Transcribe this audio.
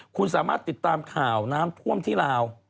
คุณสามารถติดตามข่าวน้ำท่วมที่ลาว